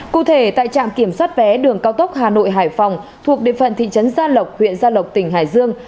cụ thể tại trạm kiểm soát vé đường cao tốc hà nội hải phòng thuộc địa phận thị trấn gia lộc huyện gia lộc tỉnh hải dương